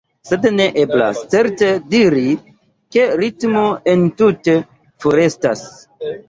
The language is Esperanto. Sed ne eblas, certe, diri, ke ritmo entute forestas.